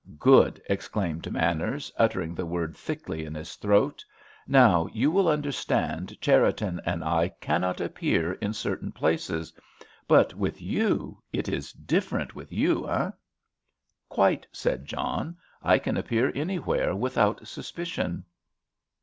"Good!" exclaimed Manners, uttering the word thickly in his throat. "Now, you will understand Cherriton and I cannot appear in certain places, but with you—it is different with you—eh?" "Quite," said John. "I can appear anywhere without suspicion."